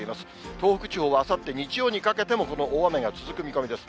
東北地方はあさって日曜にかけても、この大雨が続く見込みです。